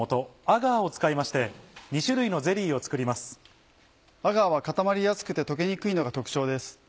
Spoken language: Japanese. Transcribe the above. アガーは固まりやすくて溶けにくいのが特徴です。